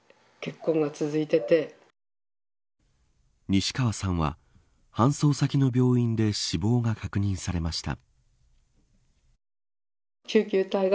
西川さんは搬送先の病院で死亡が確認されました。